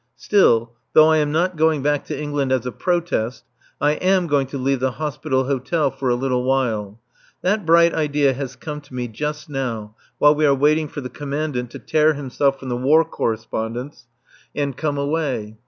Still, though I am not going back to England as a protest, I am going to leave the Hospital Hotel for a little while. That bright idea has come to me just now while we are waiting for the Commandant to tear himself from the War Correspondents and come away.